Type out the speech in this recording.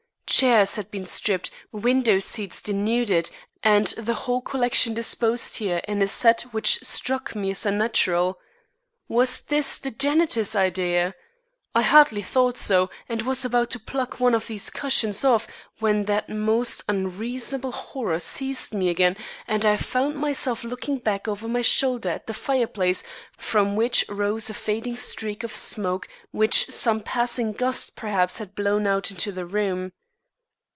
Chairs had been stripped, window seats denuded, and the whole collection disposed here in a set way which struck me as unnatural. Was this the janitor's idea? I hardly thought so, and was about to pluck one of these cushions off, when that most unreasonable horror seized me again and I found myself looking back over my shoulder at the fireplace from which rose a fading streak of smoke which some passing gust, perhaps, had blown out into the room.